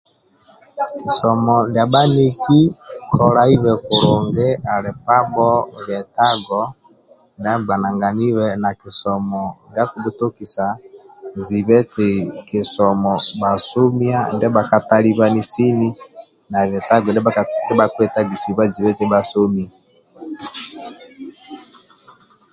Kisomo ndia bhaniki kolaibe kulungi ali pabho bietago ndia gbananganibe na kisomo ndia akibhutokisa zibe eti kisomo bhasomia ndia bhaka talibani sini na bietago ndia bhakuetagisibwa zibe eti bhasomia